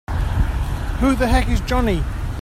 Who the heck is Johnny?!